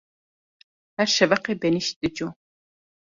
Her şeveqê benîşt dicû.